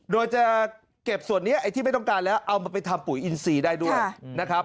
โดยจะเก็บส่วนนี้ไอ้ที่ไม่ต้องการแล้วเอามาไปทำปุ๋ยอินซีได้ด้วยนะครับ